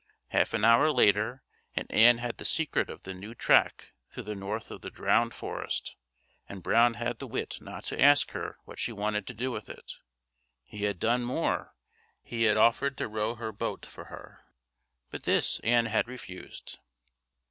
Half an hour later and Ann had the secret of the new track through the north of the drowned forest, and Brown had the wit not to ask her what she wanted to do with it. He had done more he had offered to row her boat for her, but this Ann had refused.